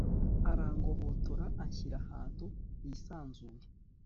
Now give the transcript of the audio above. arangobotora, anshyira ahantu hisanzuye